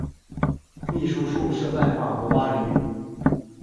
秘书处设在法国巴黎。